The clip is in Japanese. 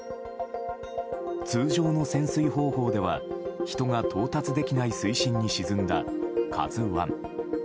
通常の潜水方法では人が到達できない水深に沈んだ「ＫＡＺＵ１」。